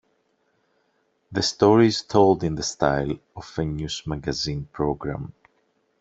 The story is told in the style of a news magazine programme.